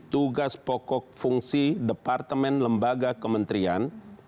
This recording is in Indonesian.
tugas pokok fungsi departemen lembaga kementerian